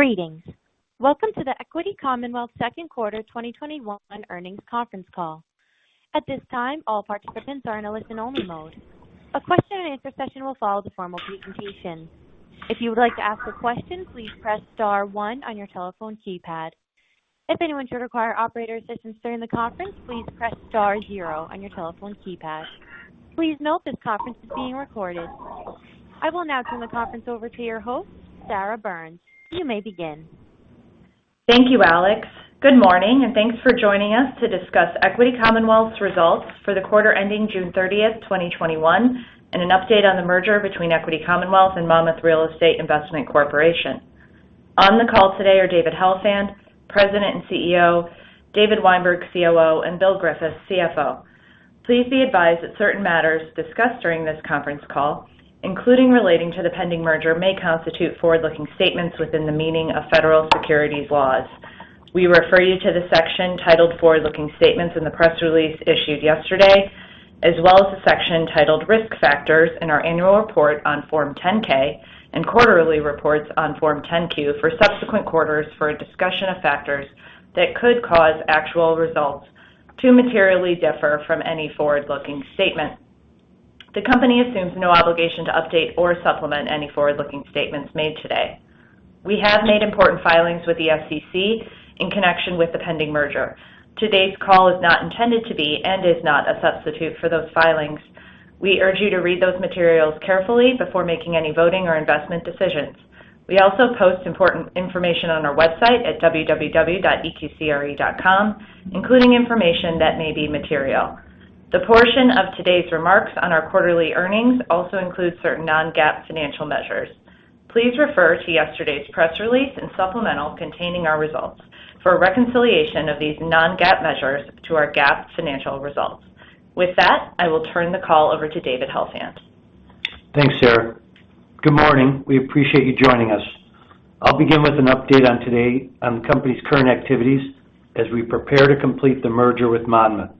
Greetings. Welcome to the Equity Commonwealth second quarter 2021 earnings conference call. At this time, all participants are in a listen-only mode. A question and answer session will follow the formal presentation. If you would like to ask a question, please press star one on your telephone keypad. If anyone should require operator assistance during the conference, please press star zero on your telephone keypad. Please note this conference is being recorded. I will now turn the conference over to your host, Sarah Byners. You may begin. Thank you, Alex. Good morning, and thanks for joining us to discuss Equity Commonwealth's results for the quarter ending June 30th, 2021, and an update on the merger between Equity Commonwealth and Monmouth Real Estate Investment Corporation. On the call today are David Helfand, president and CEO, David Weinberg, COO, and Bill Griffiths, CFO. Please be advised that certain matters discussed during this conference call, including relating to the pending merger, may constitute forward-looking statements within the meaning of federal securities laws. We refer you to the section titled Forward-Looking Statements in the press release issued yesterday, as well as the section titled Risk Factors in our annual report on Form 10-K and quarterly reports on Form 10-Q for subsequent quarters for a discussion of factors that could cause actual results to materially differ from any forward-looking statement. The company assumes no obligation to update or supplement any forward-looking statements made today. We have made important filings with the SEC in connection with the pending merger. Today's call is not intended to be, and is not a substitute for those filings. We urge you to read those materials carefully before making any voting or investment decisions. We also post important information on our website at www.eqcre.com, including information that may be material. The portion of today's remarks on our quarterly earnings also includes certain non-GAAP financial measures. Please refer to yesterday's press release and supplemental containing our results for a reconciliation of these non-GAAP measures to our GAAP financial results. With that, I will turn the call over to David Helfand. Thanks, Sarah. Good morning. We appreciate you joining us. I'll begin with an update on the company's current activities as we prepare to complete the merger with Monmouth.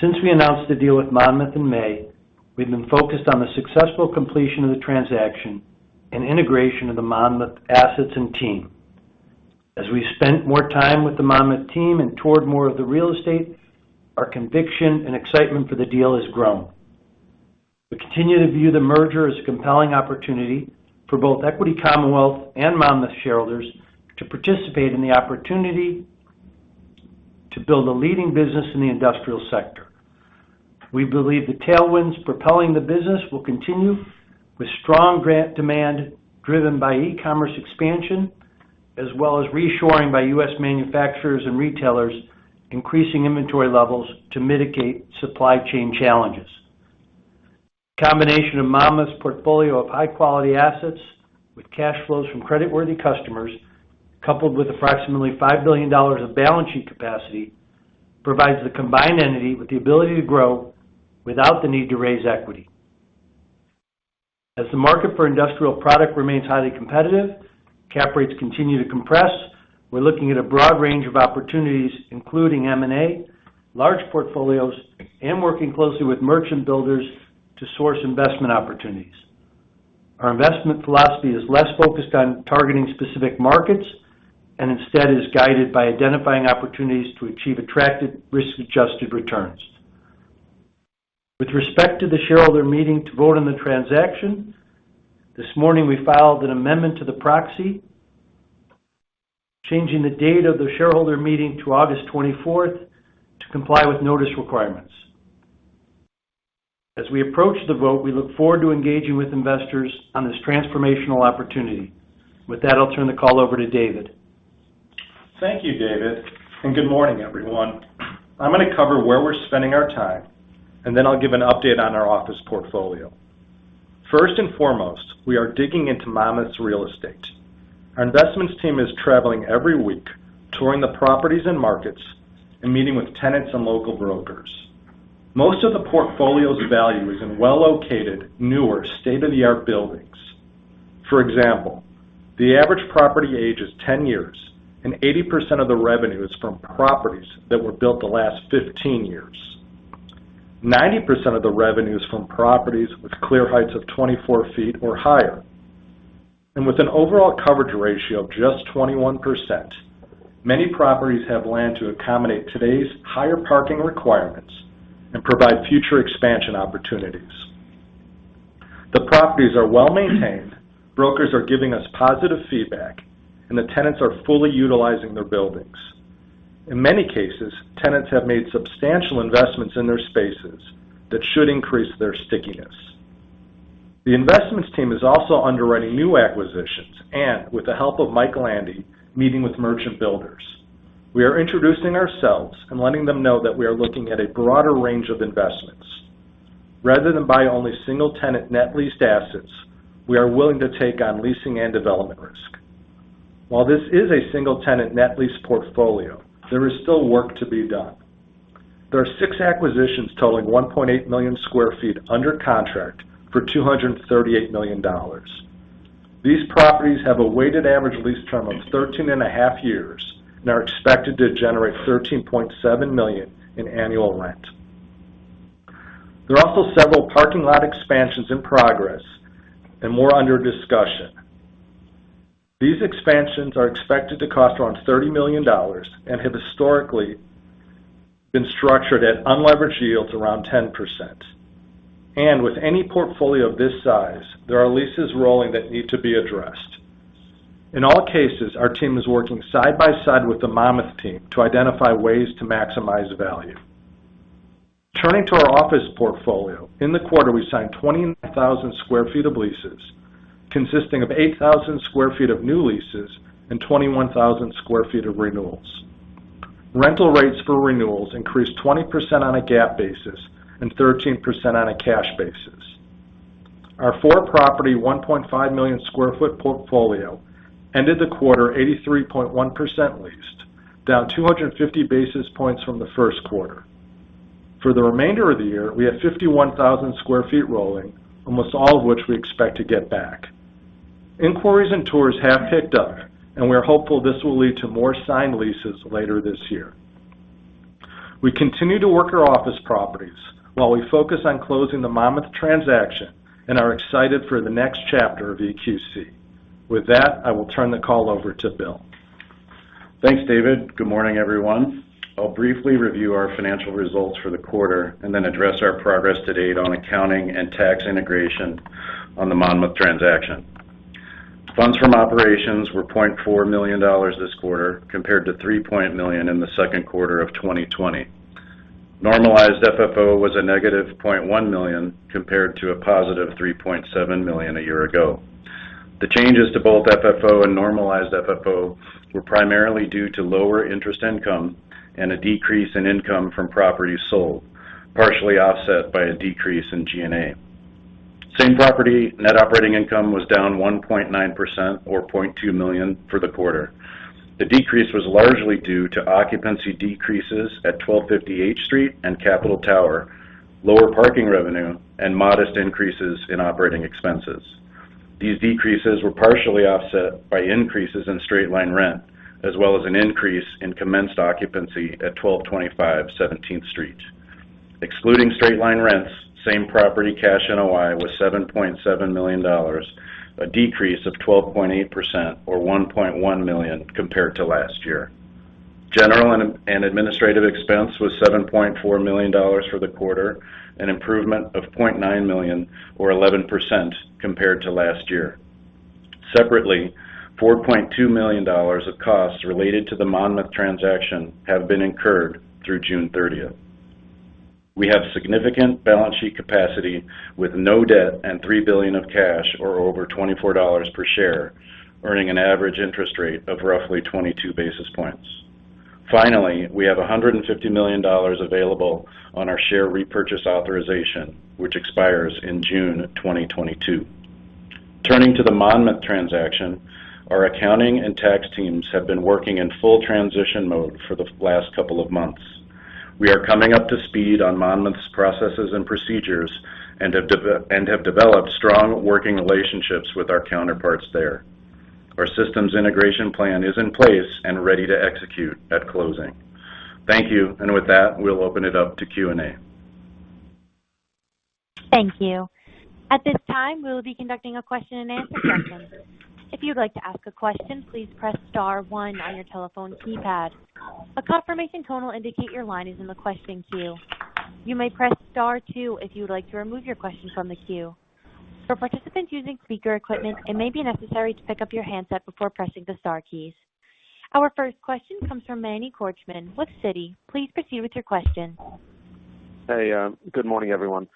Since we announced the deal with Monmouth in May, we've been focused on the successful completion of the transaction and integration of the Monmouth assets and team. As we spent more time with the Monmouth team and toured more of the real estate, our conviction and excitement for the deal has grown. We continue to view the merger as a compelling opportunity for both Equity Commonwealth and Monmouth shareholders to participate in the opportunity to build a leading business in the industrial sector. We believe the tailwinds propelling the business will continue with strong demand driven by E-commerce expansion as well as reshoring by U.S. manufacturers and retailers increasing inventory levels to mitigate supply chain challenges. Combination of Monmouth's portfolio of high-quality assets with cash flows from creditworthy customers, coupled with approximately $5 billion of balance sheet capacity, provides the combined entity with the ability to grow without the need to raise equity. As the market for industrial product remains highly competitive, cap rates continue to compress. We're looking at a broad range of opportunities, including M&A, large portfolios, and working closely with merchant builders to source investment opportunities. Our investment philosophy is less focused on targeting specific markets and instead is guided by identifying opportunities to achieve attractive risk-adjusted returns. With respect to the shareholder meeting to vote on the transaction, this morning we filed an amendment to the proxy, changing the date of the shareholder meeting to August 24th to comply with notice requirements. As we approach the vote, we look forward to engaging with investors on this transformational opportunity. With that, I'll turn the call over to David. Thank you, David, and good morning, everyone. I'm going to cover where we're spending our time, and then I'll give an update on our office portfolio. First and foremost, we are digging into Monmouth's real estate. Our investments team is traveling every week, touring the properties and markets, and meeting with tenants and local brokers. Most of the portfolio's value is in well-located, newer, state-of-the-art buildings. For example, the average property age is 10 years, and 80% of the revenue is from properties that were built the last 15 years. 90% of the revenue is from properties with clear heights of 24 feet or higher. With an overall coverage ratio of just 21%, many properties have land to accommodate today's higher parking requirements and provide future expansion opportunities. The properties are well-maintained. Brokers are giving us positive feedback, and the tenants are fully utilizing their buildings. In many cases, tenants have made substantial investments in their spaces that should increase their stickiness. The investments team is also underwriting new acquisitions and, with the help of Mike Landy, meeting with merchant builders. We are introducing ourselves and letting them know that we are looking at a broader range of investments. Rather than buy only single-tenant net leased assets, we are willing to take on leasing and development risk. While this is a single-tenant net lease portfolio, there is still work to be done. There are SIX acquisitions totaling 1.8 million sq ft under contract for $238 million. These properties have a weighted average lease term of 13 and a half years and are expected to generate $13.7 million in annual rent. There are also several parking lot expansions in progress and more under discussion. These expansions are expected to cost around $30 million and have historically been structured at unlevered yields around 10%. With any portfolio of this size, there are leases rolling that need to be addressed. In all cases, our team is working side by side with the Monmouth team to identify ways to maximize value. Turning to our office portfolio, in the quarter, we signed 20,000 square feet of leases, consisting of 8,000 square feet of new leases and 21,000 square feet of renewals. Rental rates for renewals increased 20% on a GAAP basis and 13% on a cash basis. Our four-property, 1.5-million-square-foot portfolio ended the quarter 83.1% leased, down 250 basis points from the first quarter. For the remainder of the year, we have 51,000 square feet rolling, almost all of which we expect to get back. Inquiries and tours have picked up, and we are hopeful this will lead to more signed leases later this year. We continue to work our office properties while we focus on closing the Monmouth transaction and are excited for the next chapter of EQC. With that, I will turn the call over to Bill. Thanks, David. Good morning, everyone. I'll briefly review our financial results for the quarter and then address our progress to date on accounting and tax integration on the Monmouth transaction. Funds from operations were $0.4 million this quarter, compared to $3. million in the second quarter of 2020. Normalized FFO was a -$0.1 million, compared to a +$3.7 million a year ago. The changes to both FFO and Normalized FFO were primarily due to lower interest income and a decrease in income from properties sold, partially offset by a decrease in G&A. Same-property net operating income was down 1.9%, or $0.2 million, for the quarter. The decrease was largely due to occupancy decreases at 1250 H Street and Capitol Tower, lower parking revenue, and modest increases in operating expenses. These decreases were partially offset by increases in straight-line rent, as well as an increase in commenced occupancy at 1225 17th Street. Excluding straight-line rents, same-property cash NOI was $7.7 million, a decrease of 12.8%, or $1.1 million, compared to last year. General and administrative expense was $7.4 million for the quarter, an improvement of $0.9 million or 11% compared to last year. Separately, $4.2 million of costs related to the Monmouth transaction have been incurred through June 30th. We have significant balance sheet capacity with no debt and $3 billion of cash, or over $24 per share, earning an average interest rate of roughly 22 basis points. Finally, we have $150 million available on our share repurchase authorization, which expires in June 2022. Turning to the Monmouth transaction, our accounting and tax teams have been working in full transition mode for the last couple of months. We are coming up to speed on Monmouth's processes and procedures and have developed strong working relationships with our counterparts there. Our systems integration plan is in place and ready to execute at closing. Thank you. With that, we'll open it up to Q&A. Thank you. At this time, we'll begin the thing question and answer session. If you'd like to ask a question, please press star one on your telephone keypad. A confirmation tone indicate your line is in the question queue. You may press star two, if you'd like to remove your question from the queue. To participants using speaker equipment and maybe necessary to pick up your handset before pressing the star key. Our first question comes from Manny Korchman with Citi. Please proceed with your question. Hey, good morning, everyone.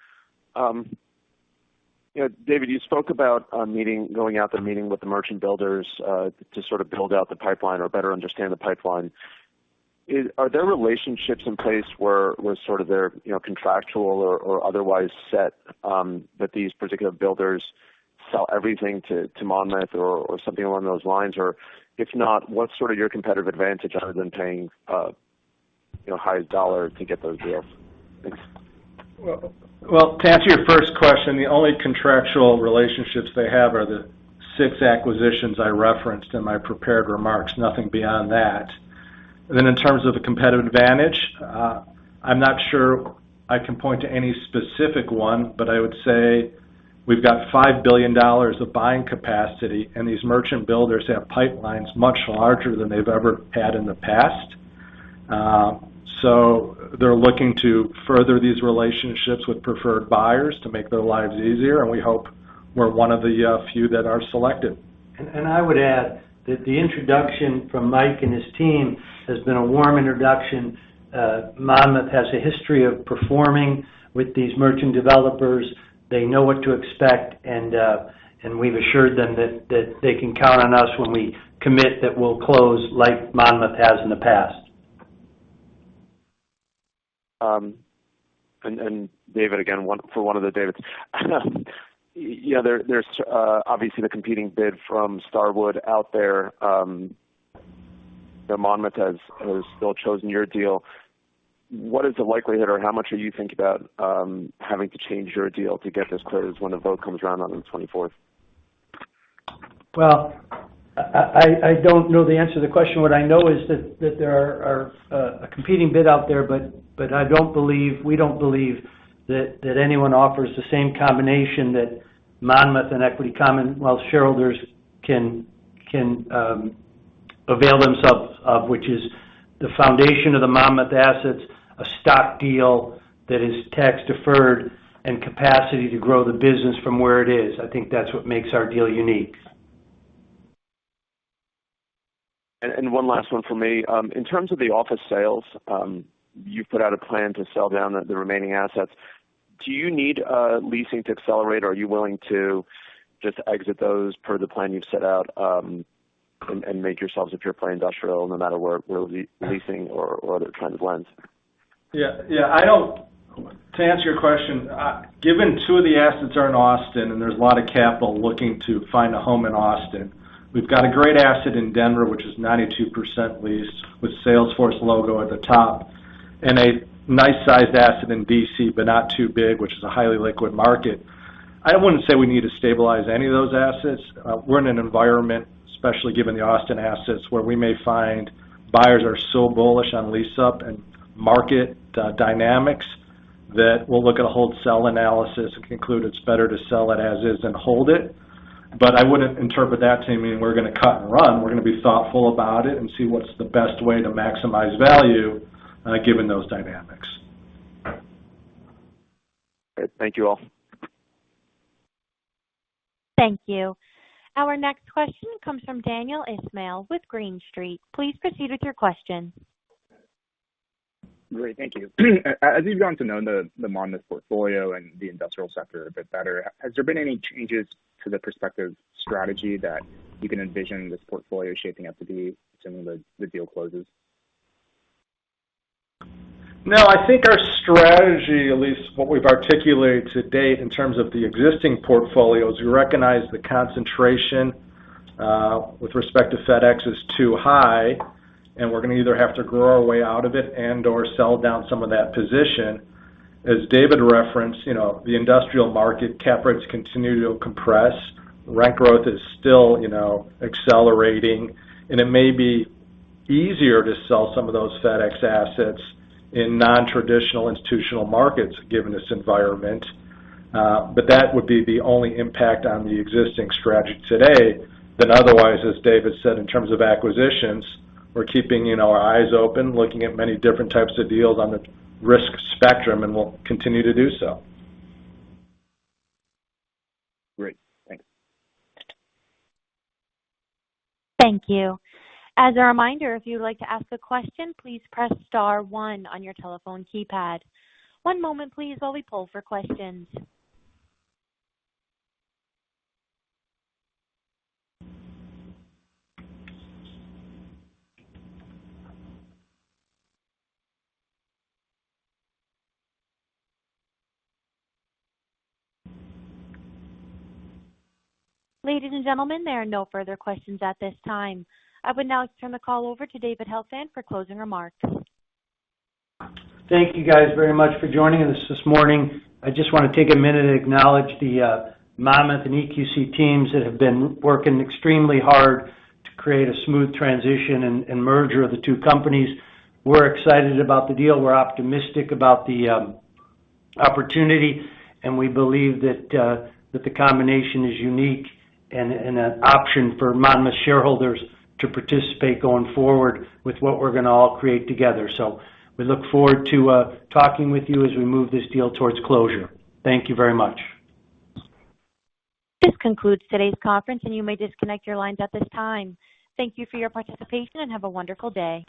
David, you spoke about going out there and meeting with the merchant builders to sort of build out the pipeline or better understand the pipeline. Are there relationships in place where sort of their contractual or otherwise set that these particular builders sell everything to Monmouth or something along those lines? If not, what's sort of your competitive advantage other than paying highest dollar to get those deals? Thanks. To answer your first question, the only contractual relationships they have are the six acquisitions I referenced in my prepared remarks, nothing beyond that. In terms of the competitive advantage, I'm not sure I can point to any specific one, but I would say we've got $5 billion of buying capacity, and these merchant builders have pipelines much larger than they've ever had in the past. They're looking to further these relationships with preferred buyers to make their lives easier, and we hope we're one of the few that are selected. I would add that the introduction from Mike and his team has been a warm introduction. Monmouth has a history of performing with these merchant developers. They know what to expect, and we've assured them that they can count on us when we commit that we'll close like Monmouth has in the past. David, again, for one of the Davids. There's obviously the competing bid from Starwood out there, though Monmouth has still chosen your deal. What is the likelihood, or how much are you thinking about having to change your deal to get this closed when the vote comes around on the 24th? Well, I don't know the answer to the question. What I know is that there are a competing bid out there, but we don't believe that anyone offers the same combination that Monmouth and Equity Commonwealth shareholders can avail themselves of, which is the foundation of the Monmouth assets, a stock deal that is tax-deferred, and capacity to grow the business from where it is. I think that's what makes our deal unique. One last one from me. In terms of the office sales, you've put out a plan to sell down the remaining assets. Do you need leasing to accelerate, or are you willing to just exit those per the plan you've set out, and make yourselves a pure-play industrial, no matter where the leasing or other trends lands? Yeah. To answer your question, given two of the assets are in Austin, and there's a lot of capital looking to find a home in Austin, we've got a great asset in Denver, which is 92% leased with Salesforce logo at the top, and a nice-sized asset in D.C., but not too big, which is a highly liquid market. I wouldn't say we need to stabilize any of those assets. We're in an environment, especially given the Austin assets, where we may find buyers are so bullish on lease-up and market dynamics that we'll look at a hold-sell analysis and conclude it's better to sell it as is than hold it. I wouldn't interpret that to mean we're going to cut and run. We're going to be thoughtful about it and see what's the best way to maximize value given those dynamics. Thank you all. Thank you. Our next question comes from Daniel Ismail with Green Street. Please proceed with your question. Great. Thank you. As you've gotten to know the Monmouth portfolio and the industrial sector a bit better, has there been any changes to the prospective strategy that you can envision this portfolio shaping up to be assuming the deal closes? No, I think our strategy, at least what we've articulated to date in terms of the existing portfolio, is we recognize the concentration with respect to FedEx is too high, and we're going to either have to grow our way out of it and/or sell down some of that position. As David referenced, the industrial market cap rates continue to compress. Rent growth is still accelerating, and it may be easier to sell some of those FedEx assets in non-traditional institutional markets given this environment. That would be the only impact on the existing strategy today. Otherwise, as David said, in terms of acquisitions, we're keeping our eyes open, looking at many different types of deals on the risk spectrum, and we'll continue to do so. Great. Thanks. Thank you. As a reminder, if you would like to ask a question, please press star one on your telephone keypad. One moment please while we poll for questions. Ladies and gentlemen, there are no further questions at this time. I would now turn the call over to David Helfand for closing remarks. Thank you guys very much for joining us this morning. I just want to take a minute and acknowledge the Monmouth and EQC teams that have been working extremely hard to create a smooth transition and merger of the two companies. We're excited about the deal. We're optimistic about the opportunity. We believe that the combination is unique and an option for Monmouth shareholders to participate going forward with what we're going to all create together. We look forward to talking with you as we move this deal towards closure. Thank you very much. This concludes today's conference. You may disconnect your lines at this time. Thank you for your participation. Have a wonderful day.